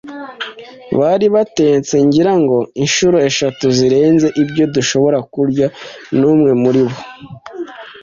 bari batetse, ngira ngo, inshuro eshatu zirenze ibyo dushobora kurya; n'umwe muribo,